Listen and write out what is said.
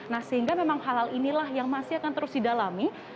nah sehingga memang hal hal inilah yang masih akan terus didalami